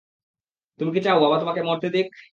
তুমি কি চাও বাবা তোমাকে মরতে দিক?